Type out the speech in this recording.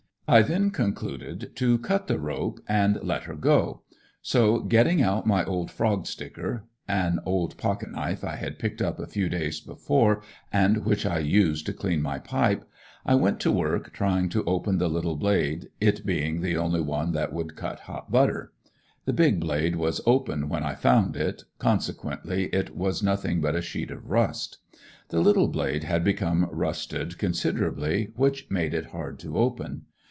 I then concluded to cut the rope and let her go, so getting out my old frog sticker an old pocket knife I had picked up a few days before and which I used to clean my pipe I went to work trying to open the little blade it being the only one that would cut hot butter. The big blade was open when I found it, consequently it was nothing but a sheet of rust. The little blade had become rusted considerably, which made it hard to open.